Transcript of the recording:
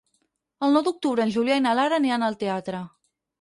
El nou d'octubre en Julià i na Lara aniran al teatre.